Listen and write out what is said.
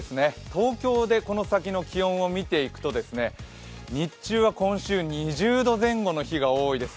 東京でこの先の気温を見ていくと日中は今週２０度前後の日が多いようです。